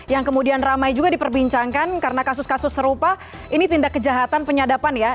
yang kemudian ramai juga diperbincangkan karena kasus kasus serupa ini tindak kejahatan penyadapan ya